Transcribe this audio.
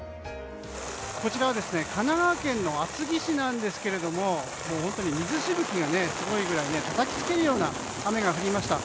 こちらは神奈川県の厚木市ですが水しぶきがすごくてたたきつけるような雨が降りました。